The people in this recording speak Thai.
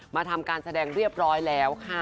มาทำการแสดงเรียบร้อยแล้วค่ะ